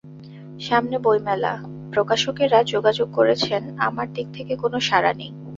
সামনে বইমেলা, প্রকাশকেরা যোগাযোগ করছেন, আমার দিক থেকে কোনো সাড়া নেই।